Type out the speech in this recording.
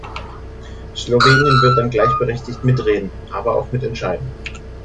Slowenien wird dann gleichberechtigt mitreden, aber auch mitentscheiden.